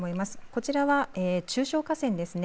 こちらは中小河川ですね。